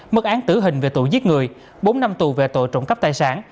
mức án tử hình về tội giết người bốn năm tù về tội trộm cắp tài sản